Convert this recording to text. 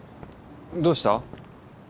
どうした？